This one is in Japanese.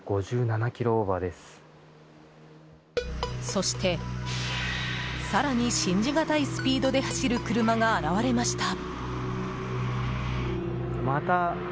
そして、更に信じがたいスピードで走る車が現れました。